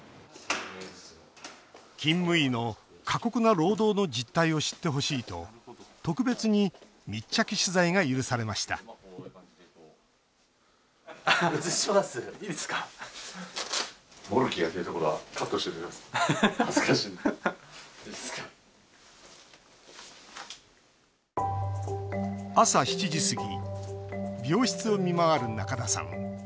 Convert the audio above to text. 勤務医の過酷な労働の実態を知ってほしいと特別に密着取材が許されました朝７時過ぎ病室を見回る仲田さん。